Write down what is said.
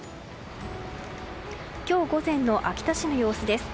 今日午前の秋田市の様子です。